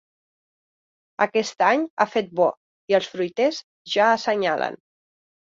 Aquest any ha fet bo i els fruiters ja assenyalen.